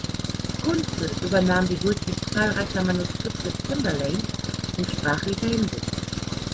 Kuntze übernahm die Durchsicht zahlreicher Manuskripte Chamberlains in sprachlicher Hinsicht.